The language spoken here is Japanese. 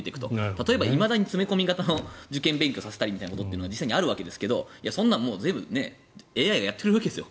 例えば、いまだに詰め込み型の受験勉強させたりみたいなことが実際にあるわけですけどそんなのＡＩがやってくれるわけです。